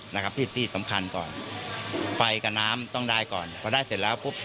นะครับที่ที่สำคัญก่อนไฟกับน้ำต้องได้ก่อนพอได้เสร็จแล้วปุ๊บ